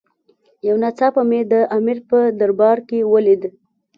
یو ناڅاپه مې د امیر په دربار کې ولید.